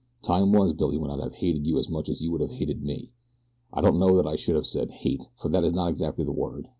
Time was, Billy, when I'd have hated you as much as you would have hated me. I don't know that I should have said hate, for that is not exactly the word.